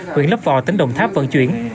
huyện lấp vò tỉnh đồng tháp vận chuyển